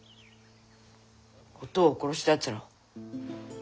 おとうを殺したやつらを。